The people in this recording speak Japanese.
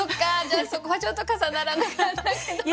じゃあそこはちょっと重ならなかったかな。